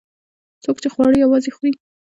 څوک چې خواړه یوازې خوري.